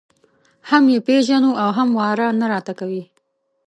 هم یې پېژنو او هم واره نه راته کوي.